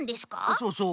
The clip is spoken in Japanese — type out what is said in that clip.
そうそう。